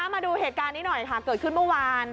มาดูเหตุการณ์นี้หน่อยค่ะเกิดขึ้นเมื่อวาน